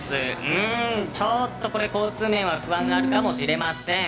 うーん、ちょっと交通面は不安があるかもしれません。